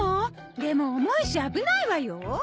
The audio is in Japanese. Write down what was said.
でも重いし危ないわよ。